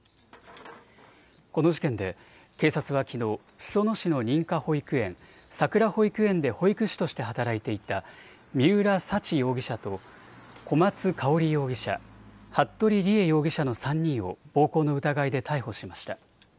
この事件で警察はきのう裾野市の認可保育園さくら保育園で保育士として働いていた三浦沙知容疑者と小松香織容疑者、服部理江容疑者の３人を暴行の疑いで逮捕しました。